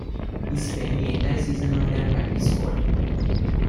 He spent the entire season on their practice squad.